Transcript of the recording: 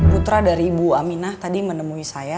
putra dari ibu aminah tadi menemui saya